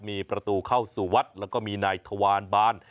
มีประตูเข้าสู่วัดแล้วก็มีนายทวารบาน